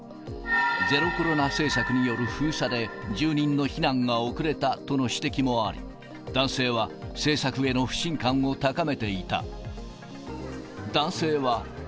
ゼロコロナ政策による封鎖で、住人の避難が遅れたとの指摘もあり、男性は政策への不信感を高めていた。